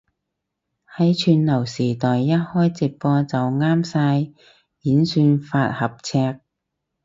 喺串流時代一開直播就啱晒演算法合尺